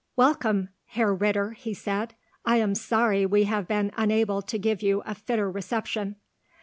"Welcome, Herr Ritter," he said; "I am sorry we have been unable to give you a fitter reception."